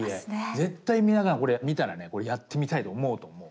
絶対皆さんこれ見たらねこれやってみたいと思うと思う。